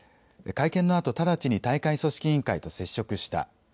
会見のあと、直ちに大会組織委員会と接触した。